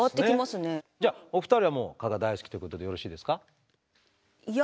お二人はもう蚊が大好きっていうことでよろしいですか？